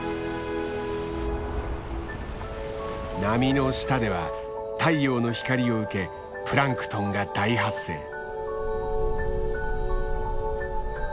波の下では太陽の光を受けプランクトンが大発生。